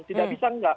tidak bisa enggak